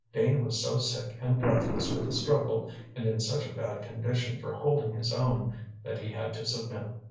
Dane was so sick and breathless with the struggle and in such a bad condition for holding his own, that he had to submit.